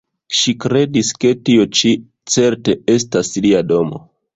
Ŝi kredis ke tio ĉi certe estas lia domo.